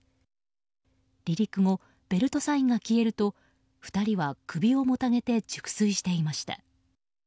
離陸後、ベルトサインが消えると２人は首をもたげて熟睡していました。